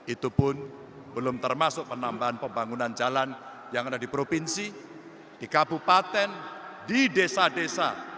itu pun belum termasuk penambahan pembangunan jalan yang ada di provinsi di kabupaten di desa desa